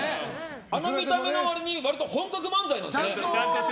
あの見た目の割に本格漫才なんですね。